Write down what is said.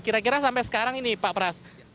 kira kira sampai sekarang ini pak pras